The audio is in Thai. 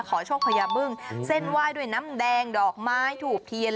ขอโชคพญาบึ้งเส้นไหว้ด้วยน้ำแดงดอกไม้ถูกเทียน